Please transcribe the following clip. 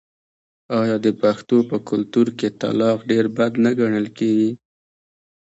آیا د پښتنو په کلتور کې طلاق ډیر بد نه ګڼل کیږي؟